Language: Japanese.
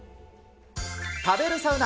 食べるサウナ！